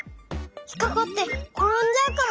ひっかかってころんじゃうかも。